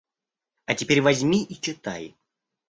– А теперь возьми и читай.